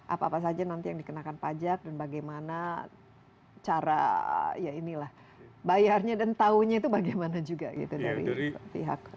apa apa saja nanti yang dikenakan pajak dan bagaimana cara ya inilah bayarnya dan tahunya itu bagaimana juga gitu dari pihak